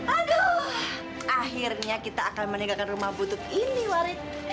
aduh akhirnya kita akan meninggalkan rumah butuh ini warid